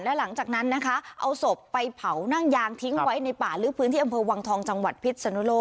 และหลังจากนั้นนะคะเอาศพไปเผานั่งยางทิ้งไว้ในป่าลึกพื้นที่อำเภอวังทองจังหวัดพิษสนุโล